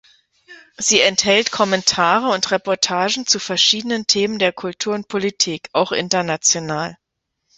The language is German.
Sie enthält Kommentare und Reportagen zu verschiedenen Themen der Kultur und Politik, auch international.